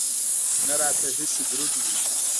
نه راته هسې دروند دی.